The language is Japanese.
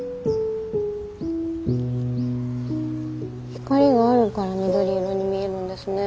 光があるから緑色に見えるんですね。